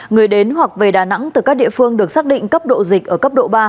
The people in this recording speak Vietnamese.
người đến hoặc về đà nẵng từ các địa phương được xác định cấp độ dịch ở cấp độ ba